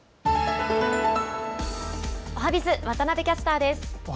おはＢｉｚ、渡部キャスターです。